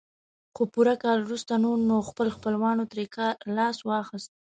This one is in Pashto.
خو پوره کال وروسته نور نو خپل خپلوانو ترې لاس واخيست.